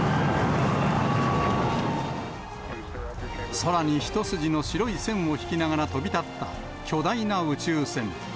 空に一筋の白い線を引きながら飛びたった巨大な宇宙船。